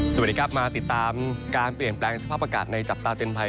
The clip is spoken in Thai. สวัสดีครับมาติดตามการเปลี่ยนแปลงสภาพอากาศในจับตาเตือนภัย